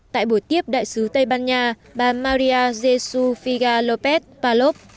tại buổi tiếp đại sứ tây ban nha bà maria jesus figa lopez palop